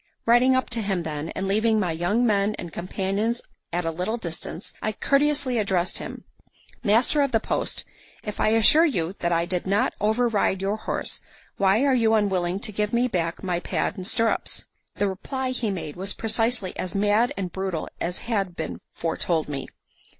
Riding up to him then, and leaving my young men and companions at a little distance, I courteously addressed him: "Master of the post, if I assure you that I did not override your horse, why are you unwilling to give me back my pad and stirrups?" The reply he made was precisely as mad and brutal as had been foretold me.